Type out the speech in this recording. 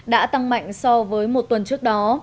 đã tăng mạnh so với một tuần trước đó